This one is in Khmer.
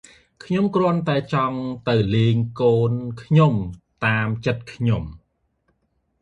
ខ្ញុំគ្រាន់តែចង់ទៅលេងកូនខ្ញុំតាមចិត្តខ្ញុំ ។